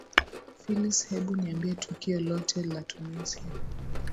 phylis hebu niambie tukio lote la tunisia